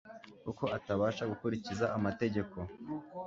kuko atabasha gukurikiza amategeko